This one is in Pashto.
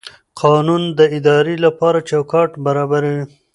قانون د ادارې لپاره چوکاټ برابروي.